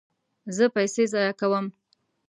زه پیسې ضایع کوم